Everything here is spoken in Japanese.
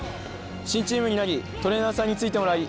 新チームになりトレーナーさんについてもらい